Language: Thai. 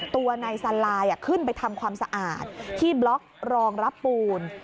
ตัวนายซาลายขึ้นไปทำความสะอาดที่บล็อกรองรับปูน